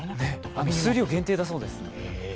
数量限定だそうです。